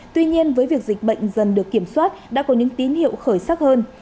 tuy nhiên với việc dịch bệnh dần được kiểm soát đã có những tín hiệu khởi sắc hơn